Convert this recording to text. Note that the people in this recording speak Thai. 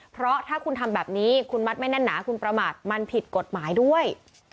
เพราะถ้าคุณทำแบบนี้คุณมัดไม่แน่นหนาคุณประมาทมันผิดกฎหมายด้วย